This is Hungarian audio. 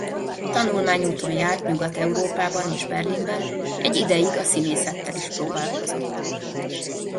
Tanulmányúton járt Nyugat-Európában és Berlinben egy ideig a színészettel is próbálkozott.